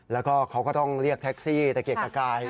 แล้วก็เขาก็ต้องเรียกแท็กซี่ตะเกียกตะกาย